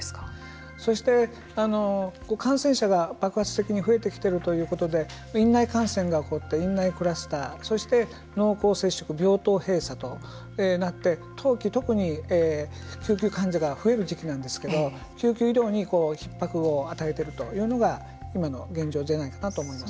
そして、感染者が爆発的に増えてきているということで院内感染が起こって院内クラスターそして、濃厚接触病棟閉鎖となって冬期特に救急患者が増える時期なんですけど救急医療にひっ迫を与えているというのが今の現状じゃないかなと思います。